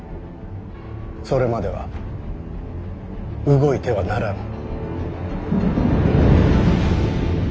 それまでは動いてはならぬ。